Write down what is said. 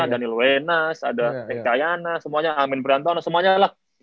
ada buenas ada ekayana semuanya amin brantono semuanya lah